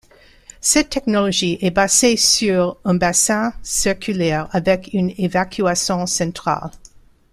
Cette technologie est basée sur un bassin circulaire avec une évacuation centrale.